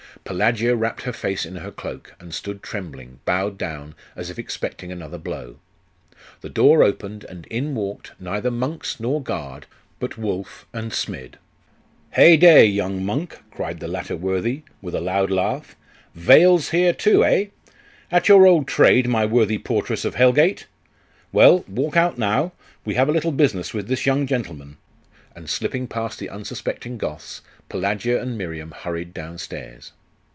Pelagia wrapped her face in her cloak, and stood trembling, bowed down, as if expecting another blow. The door opened, and in walked, neither monks nor guard, but Wulf and Smid. 'Heyday, young monk!' cried the latter worthy, with a loud laugh 'Veils here, too, eh? At your old trade, my worthy portress of hell gate? Well, walk out now; we have a little business with this young gentleman.' And slipping past the unsuspecting Goths, Pelagia and Miriam hurried downstairs.